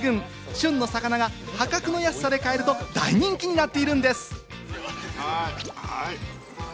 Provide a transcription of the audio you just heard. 旬の魚が破格の安さで買えると大人気になっているんです。